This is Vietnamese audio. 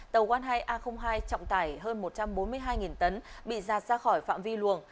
tàu một trăm linh hai a hai trọng tải hơn một trăm bốn mươi hai tấn bị giạt ra khỏi phạm vi luồng